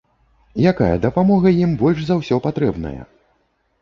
Якая дапамога ім больш за ўсё патрэбная?